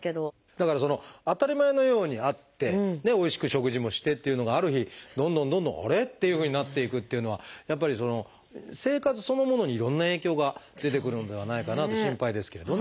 だから当たり前のようにあっておいしく食事もしてっていうのがある日どんどんどんどんあれ？っていうふうになっていくっていうのはやっぱり生活そのものにいろんな影響が出てくるのではないかなと心配ですけれどね。